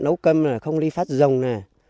nấu cơm là không đi phát rồng nè